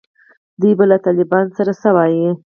دوی به له طالبانو سره څه وایي.